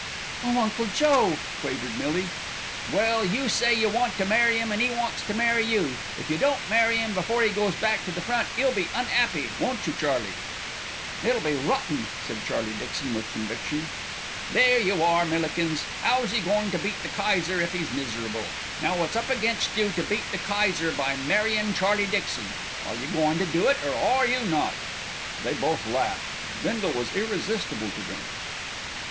"Oh, Uncle Joe!" quavered Millie. "Well, you say you want to marry 'im, and 'e wants to marry you. If you don't marry 'im before 'e goes back to the front, 'e'll be un'appy, won't you, Charlie?" "It will be rotten," said Charlie Dixon with conviction. "There you are, Millikins. 'Ow's 'e goin' to beat the Kayser if 'e's miserable? Now it's up against you to beat the Kayser by marryin' Charlie Dixon. Are you goin' to do it, or are you not?" They both laughed. Bindle was irresistible to them.